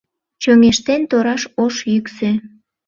Чоҥештен тораш ош йӱксӧ